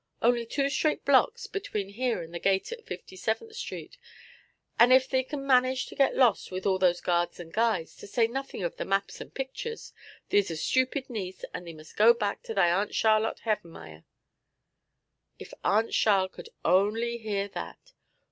Only two straight blocks between here and the gate at Fifty seventh Street, and if thee can manage to get lost with all those guards and guides, to say nothing of the maps and pictures, thee is a stupid niece, and thee may just go back to thy Aunt Charlotte Havermeyer." If Aunt Charl could only hear that!